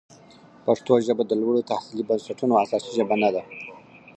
پښتو ژبه د لوړو تحصیلي بنسټونو اساسي ژبه نه ده.